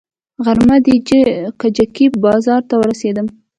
غرمه د کجکي بازار ته ورسېدم.